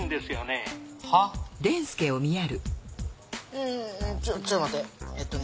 うんちょっと待ってええとね